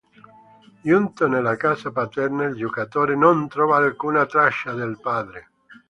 Giunto nella casa paterna il giocatore non trova alcuna traccia del padre.